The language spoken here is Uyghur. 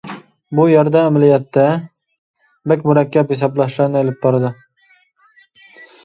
بۇ يەردە ئەمەلىيەتتە بەك مۇرەككەپ ھېسابلاشلارنى ئېلىپ بارىدۇ.